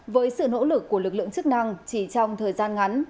với sự nỗ lực của lực lượng chức năng chỉ trong thời gian ngắn